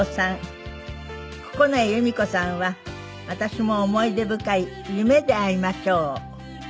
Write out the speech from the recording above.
九重佑三子さんは私も思い出深い『夢であいましょう』を。